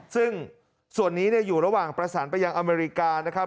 ซึ่งส่วนนี้อยู่ระหว่างประสานไปยังอเมริกานะครับ